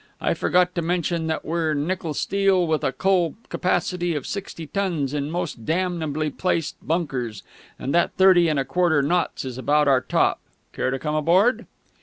I forgot to mention that we're nickel steel, with a coal capacity of sixty tons in most damnably placed bunkers, and that thirty and a quarter knots is about our top. Care to come aboard?